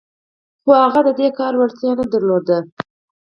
خو هغه د دې کار وړتيا نه درلوده.